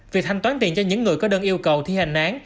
việc thanh toán tiền cho những người có đơn yêu cầu thi hành án